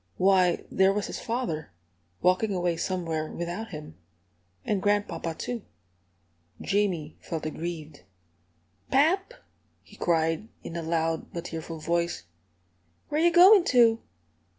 Why, there was his father, walking away somewhere without him! And grandpapa, too! Jamie felt aggrieved. "Pap!" he cried, in a loud but tearful voice, "where you goin' to?"